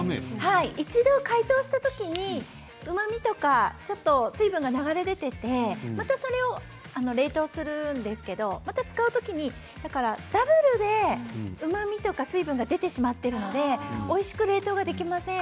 一度、解凍したときにうまみとか、ちょっと水分が流れ出ていて、それをまた冷凍するんですけどまた使うときにだからダブルでうまみとか水分が出てしまっているのでおいしく冷凍ができません。